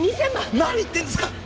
何言ってるんですか！